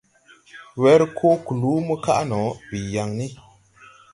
Wer koo kluu mo kaʼ no, bii yaŋ ni.